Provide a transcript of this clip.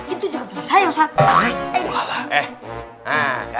itu juga bisa ya ustadz